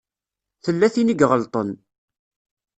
Tella tin i iɣelṭen.